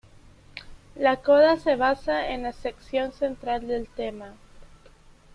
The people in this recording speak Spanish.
La coda se basa en la sección central del tema.